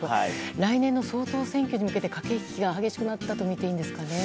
来年の総統選挙に向けて駆け引きが激しくなったとみていいんですかね。